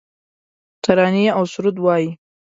ترانې اوسرود وایې